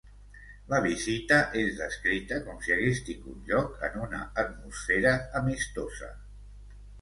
La visita és descrita com si hagués tingut lloc en una atmosfera amistosa.